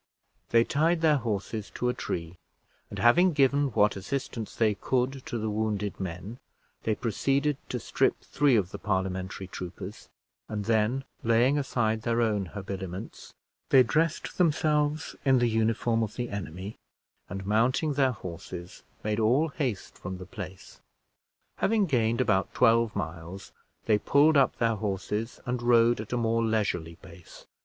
They tied their horses to a tree, and having given what assistance they could to the wounded men, they proceeded to strip three of the Parliamentary troopers; and then laying aside their own habiliments, they dressed themselves in the uniform of the enemy, and, mounting their horses, made all haste from the place. Having gained about twelve miles, they pulled up their horses, and rode at a more leisurely pace.